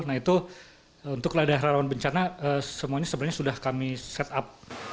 nah itu untuk ladang rawan bencana semuanya sebenarnya sudah kami set up